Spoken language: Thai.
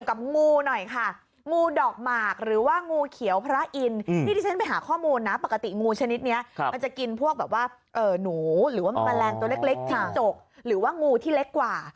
งูหน่อยค่ะงูดอกหมากหรือว่างูเขียวพระอินนี่ที่ฉันไปหาข้อมูลนะปกติงูชนิดนี้มันจะกินพวกแบบว่าหนูหรือว่าแมลงตัวเล็กจิงจกหรือว่างูที่เล็กกว่า